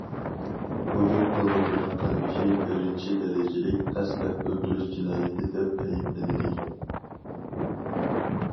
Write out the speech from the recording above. ھۇجۇم قىلغۇچىنىڭ قىلمىشى بىرىنچى دەرىجىلىك قەستلەپ ئۆلتۈرۈش جىنايىتى دەپ ئەيىبلىنىدىكەن.